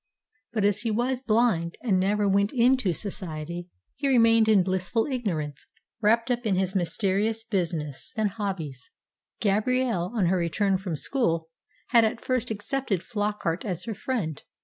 But as he was blind and never went into society, he remained in blissful ignorance, wrapped up in his mysterious "business" and his hobbies. Gabrielle, on her return from school, had at first accepted Flockart as her friend.